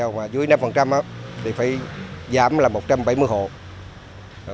hộ nghèo dưới năm thì phải giảm là một trăm bảy mươi hộ